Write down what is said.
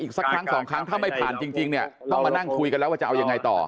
สักครั้งสองครั้งถ้าไม่ผ่านจริงเนี่ยต้องมานั่งคุยกันแล้วว่าจะเอายังไงต่อ